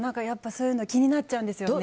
そういうの気になっちゃうんですよね。